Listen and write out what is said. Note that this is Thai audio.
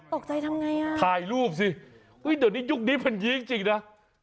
ตกใจทำไงถ่ายรูปสิเดี๋ยวนี้ยุคนี้เป็นอย่างนี้จริงนะ